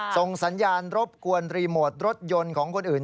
ส่งสัญญาณรบกวนรีโมทรถยนต์ของคนอื่น